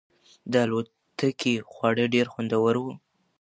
د الوتکې خواړه ډېر خوندور وو.